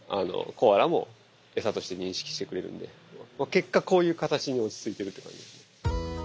結果こういう形に落ち着いているって感じですね。